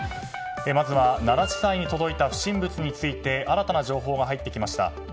まずは奈良地裁に届いた不審物について新たな情報が入ってきました。